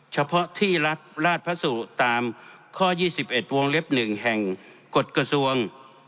เฉพาะที่รัฐราชพระสุตามข้อ๒๑วงเล็บ๑แห่งกฎกระทรวง